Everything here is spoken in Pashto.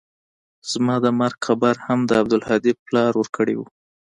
زما د مرګ خبر هم د عبدالهادي پلار ورکړى و.